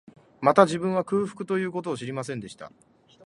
また、自分は、空腹という事を知りませんでした